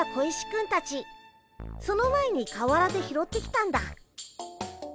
その前に河原で拾ってきたんだ。